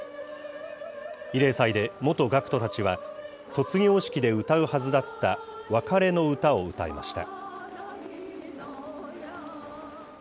慰霊祭で元学徒たちは、卒業式で歌うはずだった分かれの曲を歌いました。